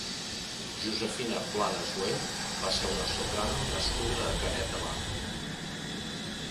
Josefina Planas Güell va ser una soprano nascuda a Canet de Mar.